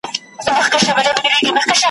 ابدالي و غزنوي چي په نازیږې